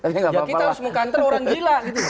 ya kita harus mekanter orang gila gitu